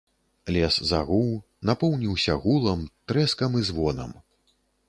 Лес загуў, напоўніўся гулам, трэскам і звонам.